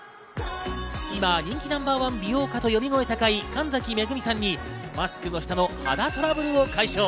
今人気ナンバーワン美容家と呼び声高い、神崎恵さんにマスクの下の肌トラブルを解消。